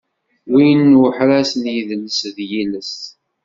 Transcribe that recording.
Win n uḥraz n yidles d yiles.